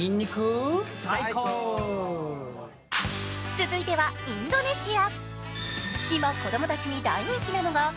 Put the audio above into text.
続いてはインドネシア。